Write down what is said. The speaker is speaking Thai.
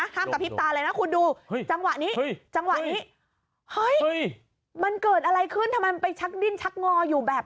ใช่เพราะทั้งแรกมันชักดิ้นชัดงออยู่แล้ว